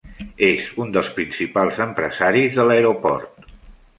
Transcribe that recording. És un dels principals empresaris de l'aeroport.